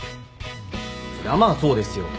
そりゃまあそうですよ。